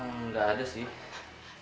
emm gak ada sih